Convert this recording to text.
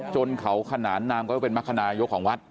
จนเขาขนานนามก็เป็นมรคนายกของวัด